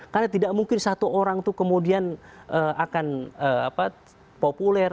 karena tidak mungkin satu orang itu kemudian akan populer